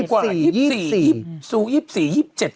๒๐กว่าสูง๒๔๒๗สูงสุด